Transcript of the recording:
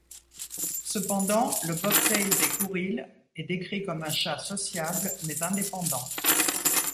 Cependant, le bobtail des Kouriles est décrit comme un chat sociable mais indépendant.